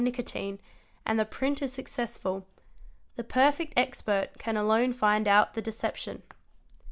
839 nicotine and the print is successful, the perfect expert can alone find out the deception.